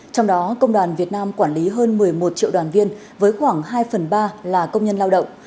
trong đó công đoàn việt nam quản lý hơn một mươi một triệu đoàn viên với khoảng hai phần ba là công nhân lao động